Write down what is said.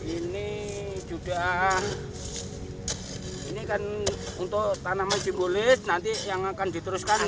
ini sudah ini kan untuk tanaman simbolis nanti yang akan diteruskan